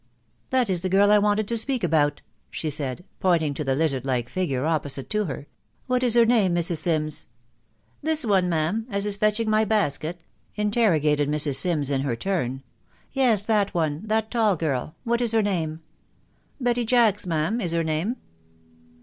" That is the girl I wanted to speak about," she said, pointing to the lizard like figure opposite to her. <f What is her name, Mrs. Sims ?" 66 This one, ma'am, as is fetching my basket?" interrogated Mrs. Sims in her turn, " Yes, that one .... that tall girl ... What is her name ?"" Betty Jacks, ma'am, is her name."